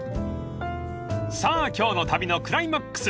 ［さあ今日の旅のクライマックス］